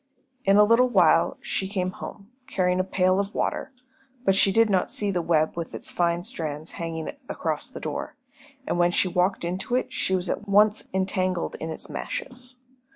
In a little while she came home, carrying a pail of water, but she did not see the web with its fine strands hanging across the door, and when she walked into it she was at once entangled in its meshes.